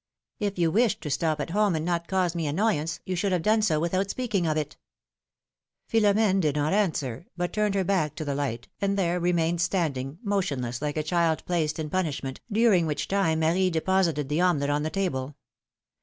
If you wished to stop at home, and not cause me annoyance, you should have done so without speaking of it ! Philom^ne did not answer, but turned her back to the light, and there remained standing, motionless like a child placed in punishment, during which time Marie deposited the omelette on the table.